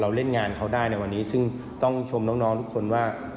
เล่นงานเขาได้ในวันนี้ซึ่งต้องชมน้องทุกคนว่า